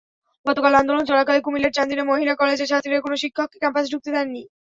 গতকাল আন্দোলন চলাকালে কুমিল্লার চান্দিনা মহিলা কলেজের ছাত্রীরা কোনো শিক্ষককে ক্যাম্পাসে ঢুকতে দেননি।